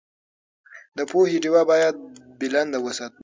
د پوهې ډېوه باید بلنده وساتو.